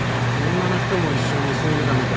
女の人も一緒に住んでたみたい。